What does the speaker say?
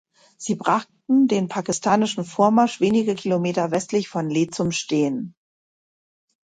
Sie brachten den pakistanischen Vormarsch wenige Kilometer westlich von Leh zum Stehen.